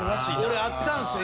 俺あったんすよ